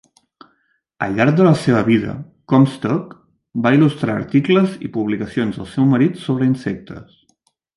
Al llarg de la seva vida, Comstock va il·lustrar articles i publicacions del seu marit sobre insectes.